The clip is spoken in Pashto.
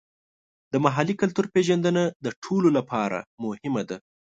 د محلي کلتور پیژندنه د ټولو لپاره مهمه ده.